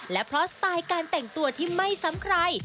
และเพราะสไตล์การแต่งตัวที่ไม่ซ้ำใคร